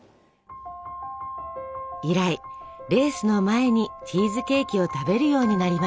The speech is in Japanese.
以来レースの前にチーズケーキを食べるようになりました。